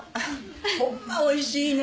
ホンマおいしいねぇ。